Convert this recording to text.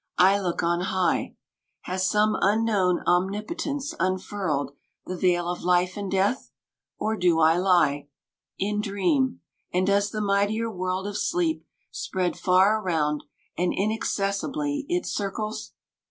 — I look on high ; Has some unknown omnipotence unfurled The veil of life and death ? or do I lie In dream, and does the mightier world of sleep Spread far around and inaccessibly Its circles